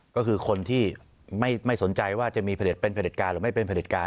ก็คือคนที่ไม่สนใจว่าจะมีผลิตเป็นผลิตการหรือไม่เป็นผลิตการ